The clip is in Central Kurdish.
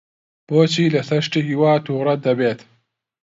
بۆچی لەسەر شتێکی وا تووڕە دەبێت؟